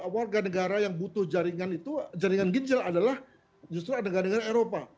warga negara yang butuh jaringan itu jaringan ginjal adalah justru negara negara eropa